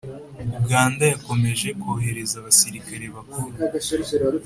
uganda yakomeje kwohereza abasirikari bakuru